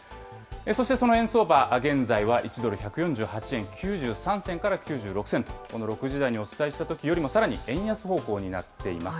そしてその円相場、現在は１ドル１４８円９３銭から９６銭と、この６時台にお伝えしたときよりも円安方向になっています。